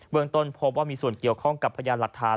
เมืองต้นพบว่ามีส่วนเกี่ยวข้องกับพยานหลักฐาน